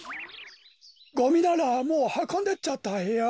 ゴミならもうはこんでっちゃったよ。